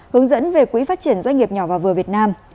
hướng dẫn về quỹ phát triển doanh nghiệp nhỏ và vừa việt nam